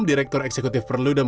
direktur eksekutif perludem